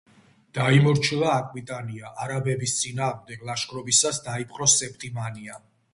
დაიმორჩილა აკვიტანია, არაბების წინააღმდეგ ლაშქრობისას დაიპყრო სეპტიმანია.